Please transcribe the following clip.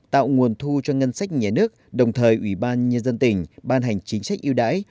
tạo nguồn thu cho ngân sách nhé nước đồng thời ủy ban nhân dân tỉnh ban hành chính sách yêu đái